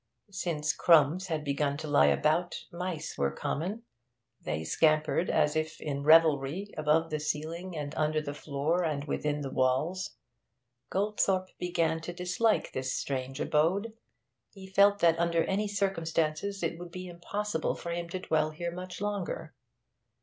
Since crumbs had begun to lie about, mice were common; they scampered as if in revelry above the ceiling, and under the floor, and within the walls. Goldthorpe began to dislike this strange abode. He felt that under any circumstances it would be impossible for him to dwell here much longer.